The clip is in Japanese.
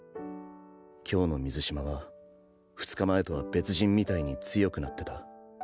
今日の水嶋は２日前とは別人みたいに強くなってた。